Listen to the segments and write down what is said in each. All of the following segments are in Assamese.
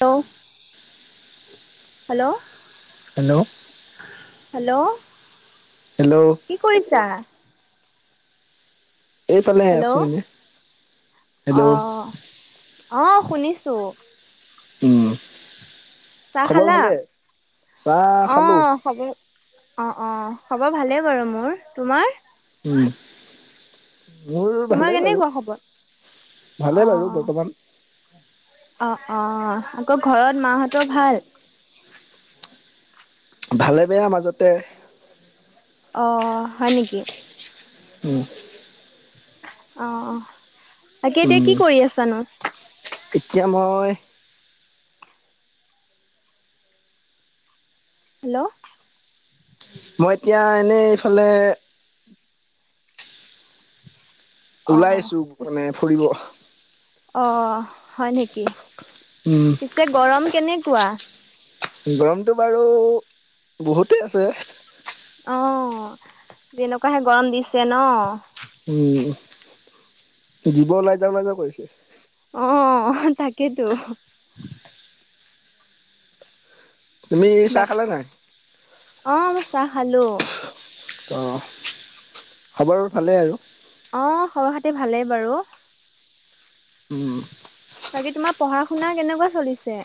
Hello hello hello hello hello কি কৰিছা? এইফালে হেল্ল' আছো এনে হেল্ল' অঁ অঁ শুনিছোঁ উম চাহ খবৰ খালা? ভালে চাহ খালো হবই অঁ অঁ খবৰ ভালেই বাৰু মোৰ তোমাৰ? উই মোৰ তোমাৰ ভালেই বাৰু কেনেকুৱা খবৰ? অ ভালেই বাৰু বৰ্তমান অ অ আকৌ ঘৰত মা হঁতৰ ভাল? ভালে বেয়া মাজতে অঁ হয় নিকি? উম অ অ তাকে উম এতিয়া কি কৰি আছানো? এতিয়া মই হেল্ল' মই এতিয়া এনে এইফালে অ অ ওলাইছো মানে ফুৰিব অ হয় নিকি? উম পিছে গৰম কেনেকুৱা? গৰমটো বাৰু বহুতে আছে অ যেনকাহে গৰম দিছে ন উম জীৱ ওলাই যাও ওলাই যাও কৰিছে অ তাকেতো [unintelligible] তুমি চাহ বাক খালা নাই? অ মই চাহ খালো ত খবৰ ভালেই আৰু অ', খবৰ খাতি ভালেই বাৰু উম। বাকী তোমাৰ পঢ়া শুনা কেনেকুৱা চলিছে?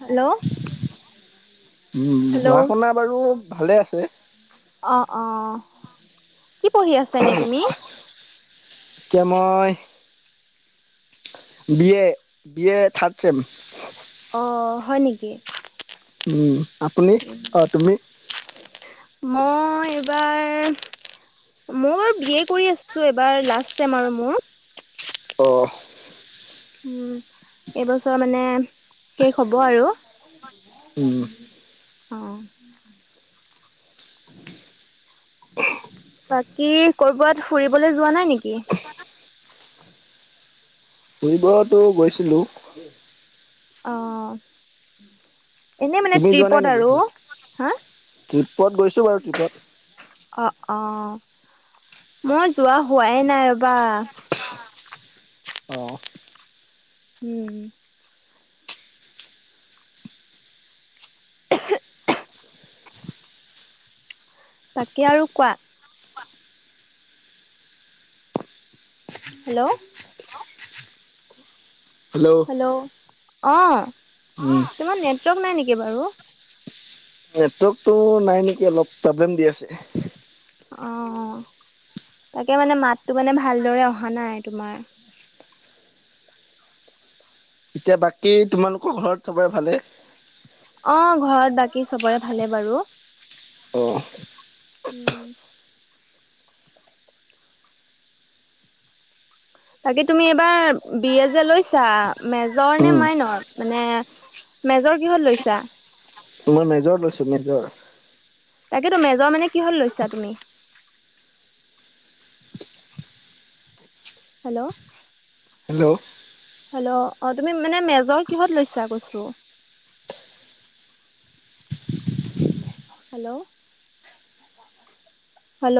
হেল্ল'। উম, পঢ়া হেল্ল' শুনা বাৰু ভালে আছে। অঁ' অঁ', কি পঢ়ি আছা এনে তুমি? এতিয়া মই, B A, B A third sem. অঁ' হয় নিকি? উম আপুনি, অ' তুমি? মই এইবাৰ। মোৰ বি এ কৰি আছো এবাৰ লাষ্ট ছেম আৰু মোৰ। অঁ'। উম, এইবছৰ মানে শেষ হ'ব আৰু। [unintelligible] উম অঁ বাকী কৰ'বাত ফুৰিবলৈ যোৱা নাই নিকি? ফুৰিবতো গৈছিলোঁ অ', এনে মানে তুমি যোৱা নাই ট্ৰিপত নেকি আৰু, হা? ট্ৰিপত গৈছোঁ বাৰু ট্ৰিপত। অ' অ', মই যোৱা হোৱাই নাই ৰ'বা। অঁ'। উম। তাকে আৰু কোৱা। হেল্ল'। হেল্ল', অ'। অ তোমাৰ নেটৱৰ্ক নাই নেকি বাৰু? নেটৱৰ্কটো নাই নেকি অলপ, প্ৰব্লেম দি আছে। অ', তাকে মানে মাতটো মানে ভালদৰে অহা নাই তোমাৰ। এতিয়া বাকী তোমালোকৰ ঘৰত চবৰে ভালে? অ' ঘৰত বাকী চবৰে ভালে বাৰু। অ'। উম। [inaudible] বাকি তুমি এইবাৰ বি এ যে লৈছা, মেজৰ নে উম মাইনৰ, মানে মেজৰ কিহত লৈছা? মই মেজৰ লৈছো মেজৰ। তাকেতো মেজৰ মানে কিহত লৈছা তুমি? হেল্ল'। হেল্ল'। হেল্ল', অ' তুমি মানে মেজৰ কিহত লৈছা কৈছোঁ। হেল্ল'। হেল্ল'।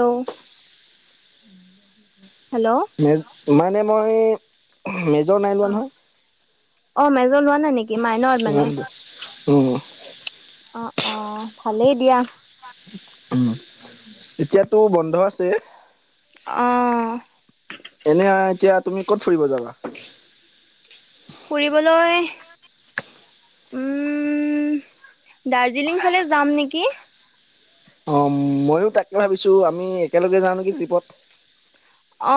হেল্ল'। মেজ মানে মই এই মেজৰ নাই লোৱা অ নহয়, অ মেজৰ লোৱা নাই নেকি মাইনৰ মানে উম। অ' অ', ভালেই দিয়া। উম, এতিয়াতো বন্ধ আছে। অ'। এনে এতিয়া তুমি ক'ত ফুৰিব যাবা? ফুৰিবলৈ উম দাৰ্জিলিং ফালে যাম নেকি? অ ময়ো তাকে ভাবিছো আমি একেলগে যাওঁ নেকি? ট্ৰিপত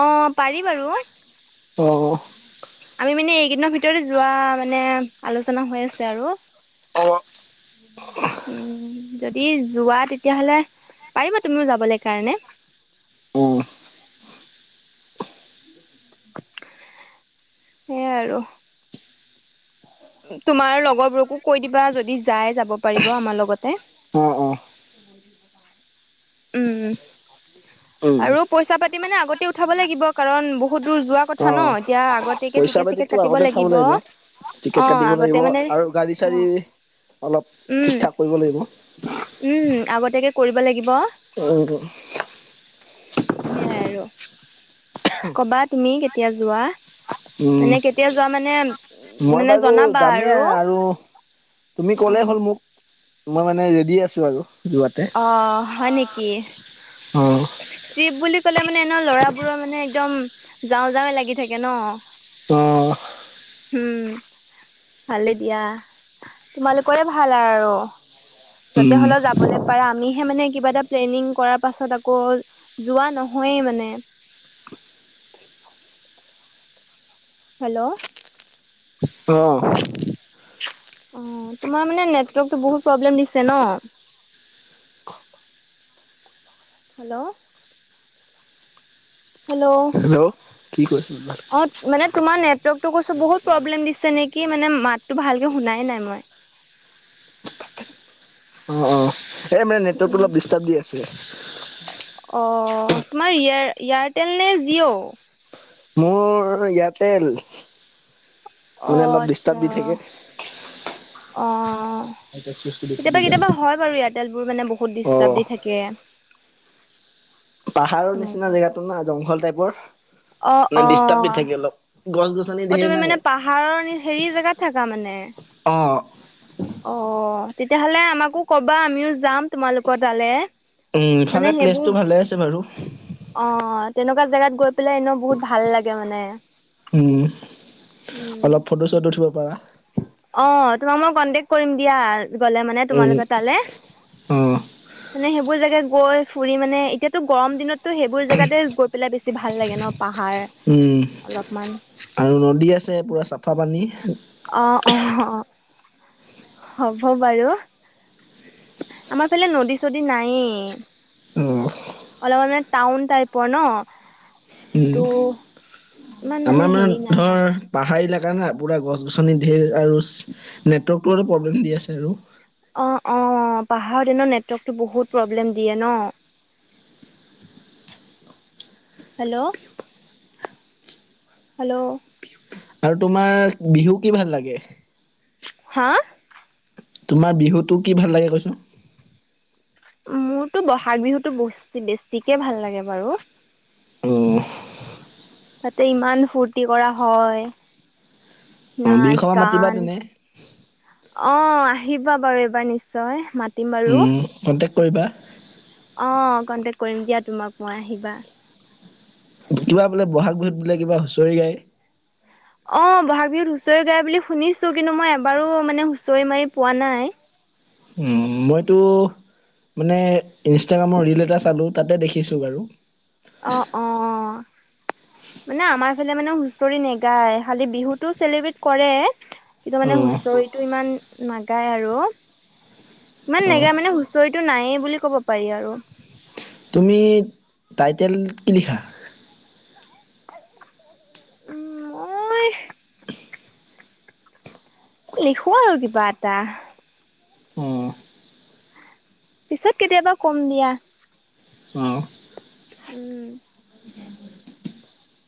অ পাৰি বাৰু। অ'হ আমি মানে এইকেইদিনৰ ভিতৰত যোৱা মানে আলোচনা হৈ আছে আৰু। উম [unintelligible] যদি যোৱা তেতিয়াহ'লে পাৰিবা তুমিও যাবলৈ কাৰণে। উম সেয়াই আৰু তোমাৰ লগৰবোৰকো কৈ দিবা যদি যাই যাব পাৰিব আমাৰ লগতে। অ অ উম উম, আৰু পইচা পইছা-পাতি মানে আগতেই উঠাব লাগিব, কাৰণ বহুত দূৰ যোৱা কথা ন! এতিয়া আগত পইচা-পাতিটো আগতে থ'ব লাগিব, টিকেট অ কাটিব আগতে লাগিব, মানে আৰু গাড়ী চাৰি অলপ উম ঠিক-ঠাক কৰিব লাগিব। উম, আগতীয়াকে কৰিব লাগিব। [unintelligible] সেয়াই আৰু। ক'বা, তুমি কেতিয়া যোৱা? উম। মানে কেতিয়া যোৱা মানে, মই মানে বাৰু জনাবা যামেই আৰু। তুমি অ ক'লেই হ'ল মোক, মই মানে ৰেডি আছো আৰু। যোৱাতে অ, হয় নেকি! অ', ট্ৰিপ বুলি ক'লে মানে, এনেও ল'ৰাবোৰৰ মানে একদম যাওঁ-যাওঁ লাগি থাকে ন! অহ! উম, ভালে দিয়া। তোমালোকৰে ভাল আৰু। য'তে উম, হ'লেও যাবলৈ পাৰা। আমিহে মানে কিবা এটা প্লেনিং কৰাৰ পাছত আকৌ যোৱা নহয়েই মানে! হেল্ল'! অহ! অ, তোমাৰ মানে নেটৱৰ্কতটো বহুত প্ৰব্লেম দিছে ন! হেল্ল'! হেল্ল'! হেল্ল' কি কৈছো অ, মানে তোমাৰ নেটৱৰ্কটো কৈছো বহুত প্ৰব্লেম দিছে নেকি! কি মানে, মাতটো ভালকে শুনাই নাই মই। অ, অ, এ, মানে নেটৱৰ্ক উম, অলপ ডিষ্টাৰ্ব দি আছে। অ, তোমাৰ এয়াৰটেল নে জিঅ'? মোৰ এয়াৰটেল, অ মানে অলপ আচ্ছা ডিষ্টাৰ্ব দি থাকে। অ, কেতিয়াবা-কেতিয়াবা হয় বাৰু এয়াৰ টেল বোৰ মানে বহুত ডিষ্টাৰ্ব অ' দি থাকে। পাহাৰৰ নিচিনা জেগাতো না, জংঘল টাইপৰ, অ মানে ডিষ্টাৰ্ব দি অ থাকে অলপ। গছ গছনি অ, ধেৰ তুমি নাই মানে ইয়াত পাহাৰৰ হেৰি জেগাত থাকা মানে? অঁ। অ, তেতিয়াহ'লে আমাকো ক'বা, আমিও যাম তোমালোকৰ তালৈ। উম, ইফালে প্লেচটো ভালে আছে বাৰু! অ, তেনেকুৱা জেগাত গৈ পেলাই, এনেও বহুত ভাল লাগে মানে। উম, উম অলপ ফটো-চটো উঠিব পাৰা। অ, তোমাক মই কন্টেক্ট কৰিম দিয়া, গ'লে মানে উম তোমালোকে তালৈ। অ' মানে সেইবোৰ জেগাত গৈ ফুৰি মানে, এতিয়াতো গৰম দিনতটো সেইবোৰ জেগাতে গৈ পেলাই বেছি বেছি ভাল লাগে ন! পাহাৰ উম, অলপমান আৰু নদী আছে, পুৰা চাফা পানী। অঁ, হ'ব বাৰু! আমাৰ ফালে নদী-চদী নায়েই। উম। অলপ মানে টাউন টাইপৰ ন! উম তো আমাৰ মানে ধৰ পাহাৰ এলেকা না, পুৰা গছ-গছনি ধেৰ আৰু নেটৱৰ্কটো অলপ প্ৰব্লেম দি আছে আৰু। অ, অ, পাহাৰত এনেও নেটৱৰ্কটো বহুত প্ৰব্লেম দিয়ে ন! হেল্ল'! হেল্ল'! আৰু তোমাৰ বিহু কি ভাল লাগে? হা? তোমাৰ বিহুটো কি ভাল লাগে কৈছো? মোৰতো বহাগ বিহুতো ব বেছিকে ভাল লাগে বাৰু। অহ। তাতে ইমান ফূৰ্তি কৰা হয়। অ নাচ বিৰখমা মাতিবা গান। তেনে অঁ আহিবা বাৰু এইবাৰ নিশ্চয়। মাত উম কণ্টেক্ট কৰিবা। অঁ কণ্টেক্ট কৰিম দিয়া তোমাক মই আহিবা। কিবা বোলে বহাগ বিহুত বোলে কিবা হুঁচৰি গায়? অ বহাগ বিহুত হুঁচৰি গায় বুলি শুনিছো। কিন্তু মই এবাৰো মানে হুঁচৰি মাৰি পোৱা নাই। উম মইতো মানে ইনষ্টাগ্ৰামৰ ৰীল এটা চালো তাতে দেখিছোঁ বাৰু। অঁ অহ। মানে আমাৰ ফালে মানে হুচৰি নাগায় খালি বিহুটো চেলিব্ৰেট কৰে। কিন্তু অ মানে হুচৰিটো ইমান নাগাই আৰু ইমান অ নাগাই মানে হু চৰিটো নায়েই বুলি ক'ব পাৰি আৰু। তুমি টাইটেল কি লিখা? উম মই লিখো আৰু কিবা এটা। অ পিছত কেতিয়াবা কম দিয়া। অঁহ। উম।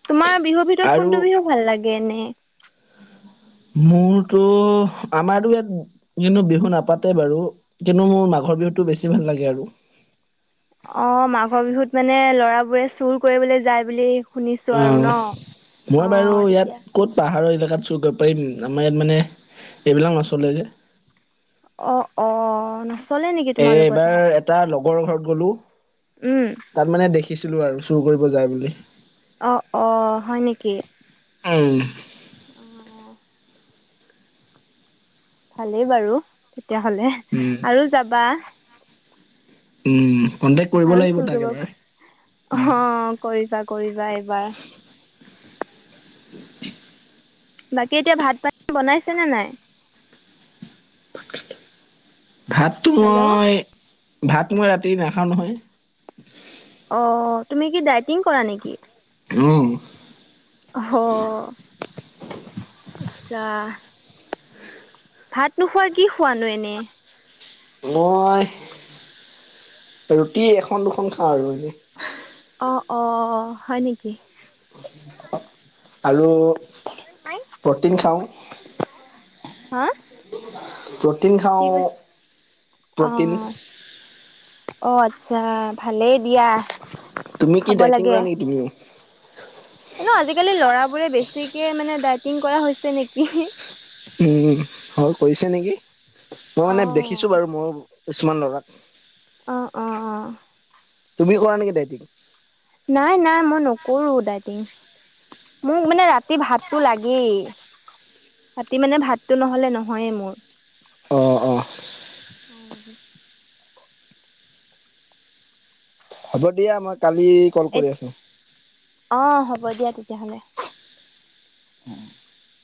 তোমাৰ বিহুৰ ভিতৰত আৰু কোনটো বিহু ভাল লাগে এনেই? মোৰতো আমাৰতো ইয়াত কিন্তু বিহু নাপাতে বাৰু কিন্তু মোৰ মাঘৰ বিহুতটো বেছি ভাল লাগে আৰু। অঁ মাঘৰ বিহুত মানে ল'ৰাবোৰে চুৰ কৰিবলৈ যায় বুলি শুনিছো অ আৰু ন। মই বাৰু অঁ ইয়াত তেতিয়া ক'ত পাহাৰৰ এলেকাত চুৰ কৰিব পাৰিম, আমাৰ ইয়াত মানে এইবিলাক নচলে যে। অ অহ। এ এইবাৰ এটা লগৰ ঘৰত গ'লো। উম। তাত মানে দেখিছিলো আৰু চুৰ কৰিব যায় বুলি। অ অ হয় নেকি? উম। অ ভালেই বাৰু তেতিয়াহ'লে উম আৰু যাবা। উম কণ্টেক্ট কৰিব আৰু লাগিব চুৰ তাক কৰিব এবাৰ। অ', কৰিবা কৰিবা এইবাৰ। বাকী এতিয়া ভাত পানী বনাইছে নে নাই? ভাতটো মই হেল্ল' ভাত মই, ভাত মই ৰাতি নাখাওঁ নহয়। অ তুমি কি ডাইটিং কৰা নেকি? অঁ অহ আচ্ছা। ভাত নোখোৱা কি খোৱানো এনেই? মই ৰুটি এখন দুখন খাওঁ আৰু এনে। অ, অ', হয় নেকি? আৰু প্ৰটিন খাওঁ। হাঁ প্ৰটিন খাওঁ, প্ৰ'টিন অ', অ' আচ্ছা, ভালেই দিয়া তুমি কি খাব ডায়েটিং কৰা নেকি তুমিও? হ'লেও আজিকালি লৰাবোৰে বেছিকে মানে ডায়েটিং কৰা হৈছে নেকি! উম, হয় কৰিছে নেকি, মই মানে অ', দেখিছো বাৰু মোৰ কিছুমান লগা অ, অ, অ' তুমি কৰা নেকি ডায়েটিং নাই, নাই, মই নকৰো ডাইটিং মোক মানে ৰাতি ভাতটো লাগেই ৰাতি মানে ভাতটো নহলে নহয়ে মোৰ অ, অ' হ'ব দিয়া মই কালি কল কৰি আছোঁ। অ, হ'ব দিয়া তেতিয়াহ'লে। [inaudible]